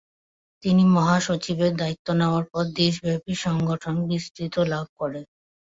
তিনি মহাসচিবের দায়িত্ব নেয়ার পর দেশব্যাপী সংগঠন বিস্তৃত লাভ করে।